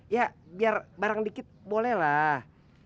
ya biar barang dikit bolehlah